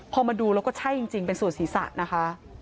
พอมาดูแล้วก็ใช่จริงเป็นส่วนศีรษะนะคะ